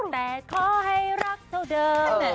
แต่ขอให้รักเท่าเดิม